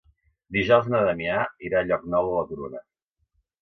Dijous na Damià irà a Llocnou de la Corona.